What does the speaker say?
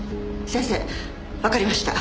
先生わかりました。